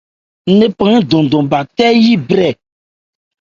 Ńnephan ndɔnndɔn bha tɛ́ yí brɛ.